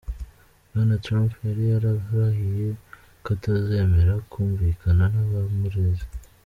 Bwana Trump yari yararahiye ko atazemera kumvikana n'abamureze.